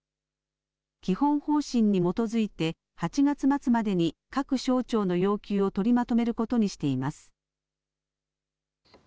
基本方針に基づいて８月末までに各省庁の要求を取りまとめることにしています。